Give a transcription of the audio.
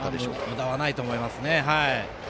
むだはないと思いますね。